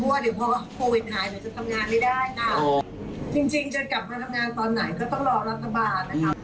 เพราะวิทยาลัยจะทำงานไม่ได้จริงจะกลับมาทำงานตอนไหนก็ต้องรอรัฐบาลนะครับ